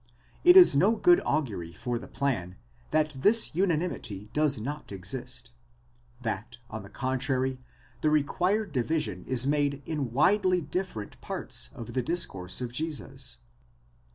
It is no good augury for the plan, that this unanimity does not exist,—that, on the contrary, the required division is made in widely different parts of the discourse of Jesus.